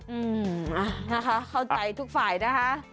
อืมอ่ะนะคะเข้าใจทุกฝ่ายนะคะ